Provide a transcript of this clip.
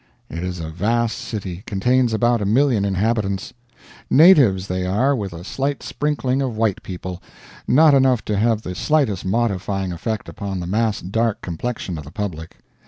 It is a vast city; contains about a million inhabitants. Natives, they are, with a slight sprinkling of white people not enough to have the slightest modifying effect upon the massed dark complexion of the public.